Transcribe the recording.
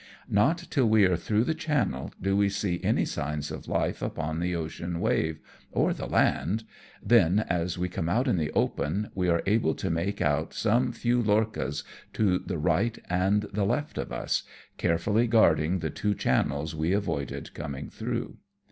Not tm we are through the channel do we see any ' signs of life upon the ocean wave, or the land, then, as we come out in the open, we are able to make out some few lorchas to the right and the left of us, carefully guarding the two channels we avoided coming through.